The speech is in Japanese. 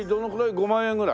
５万円ぐらい？